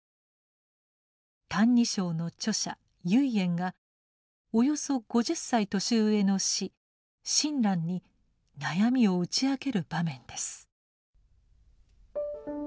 「歎異抄」の著者唯円がおよそ５０歳年上の師・親鸞に悩みを打ち明ける場面です。